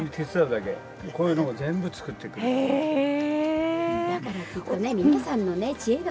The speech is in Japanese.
へえ。